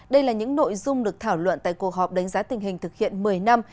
đây là những nội dung được thảo luận tại cuộc họp đánh giá tình hình thực hiện một mươi năm